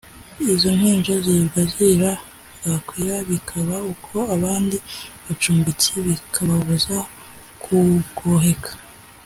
izo mpinja zirirwa zirira bwakwira bikaba uko abandi bacumbitsi bikababuza kugoheka